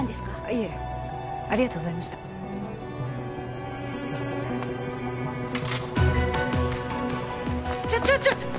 いえありがとうございましたちょちょちょ！